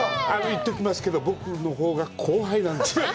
言っておきますけど、僕のほうが後輩なんです。